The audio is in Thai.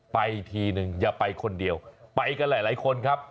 ไปทีนึงอย่าไปคนเดียวไปกันหลายคนครับ